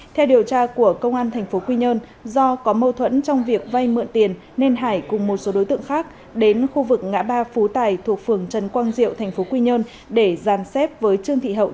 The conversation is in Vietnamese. theo điều tra của công an tp quy nhơn do có mâu thuẫn trong việc vay mượn tiền nên hải cùng một số đối tượng khác đến khu vực ngã ba phú tài thuộc phường trần quang diệu tp quy nhơn để giàn xếp với trương thị hậu